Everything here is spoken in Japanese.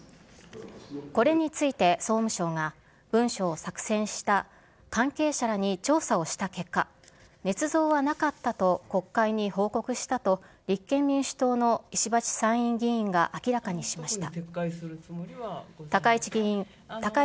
これについて、総務省が、文書を作成した関係者らに調査をした結果、ねつ造はなかったと国会に報告したと、立憲民主党の石橋参院議員が明らかにしました。